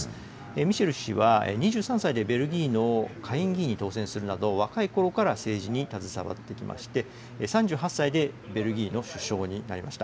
ミシェル氏は２３歳でベルギーの下院議員に当選するなど、若いころから政治に携わってきまして、３８歳でベルギーの首相になりました。